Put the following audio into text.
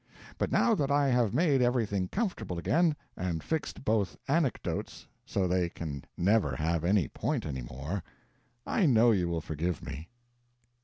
But now that I have made everything comfortable again, and fixed both anecdotes so they can never have any point any more, I know you will forgive me.